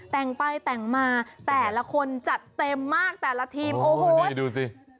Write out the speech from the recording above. แต่งไปแต่งมาแต่ละคนจัดเต็มมากแต่ละทีมโอ้โหดูสิ